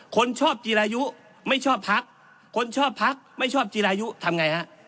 คนชอบจีรายุไม่ชอบพักคนชอบพักไม่ชอบจีรายุทำไงฮะ